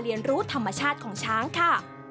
เรียนรู้ธรรมชาติของช้างค่ะ